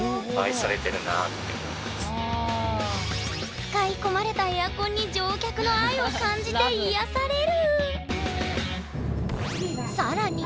使い込まれたエアコンに乗客の愛を感じて癒やされる。